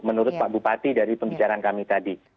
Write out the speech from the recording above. menurut pak bupati dari pembicaraan kami tadi